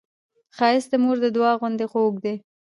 ښایست د مور د دعا غوندې خوږ دی